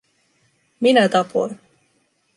Minä tapoin.